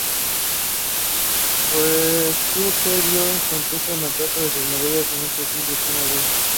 Fu se vio muy contenta mostrando sus medallas en su perfil de Sina Weibo.